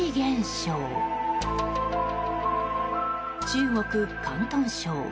中国・広東省。